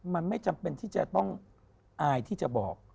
มันไม่จำเป็นที่จะต้องอายที่จะบอก